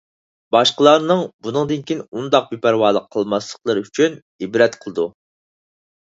باشقىلارنىڭ بۇنىڭدىن كېيىن ئۇنداق بىپەرۋالىق قىلماسلىقلىرى ئۈچۈن ئىبرەت قىلىدۇ.